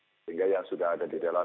sehingga yang sudah ada di dalam